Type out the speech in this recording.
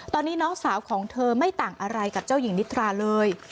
ตอนนี้น้องสาวของเธอไม่ต่างอะไรกับเจ้าหญิงนิทราเลย